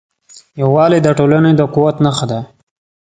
یووالی د ټولنې د قوت نښه ده.